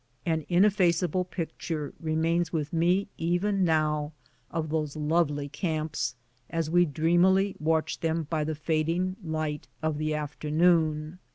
An ineffaceable picture remains with me even now of those lovely camps, as we dreamily watched them by 44 BOOTS AND SADDLES. the fading light of the afternoon.